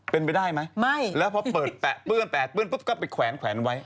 เป็นไปได้ไหมไม่แล้วพอเปิดแปะเปื้อนแปะเปื้อนปุ๊บก็ไปแขวนไว้